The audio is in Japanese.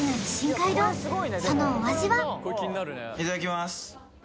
いただきます